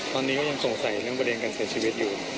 ตอนนี้ก็ยังสงสัยเรื่องประเด็นการเสียชีวิตอยู่